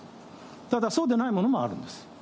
ただそうでないものもあるんです。